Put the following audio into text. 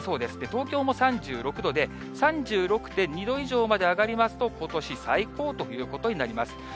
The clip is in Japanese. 東京も３６度で、３６．２度以上まで上がりますと、ことし最高ということになります。